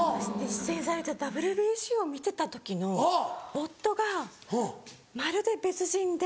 出演されてたＷＢＣを見てた時の夫がまるで別人で。